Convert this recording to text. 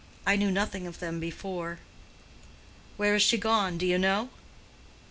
I knew nothing of them before." "Where is she gone—do you know?"